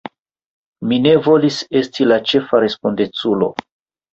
Mi ne volis esti la ĉefa respondeculo.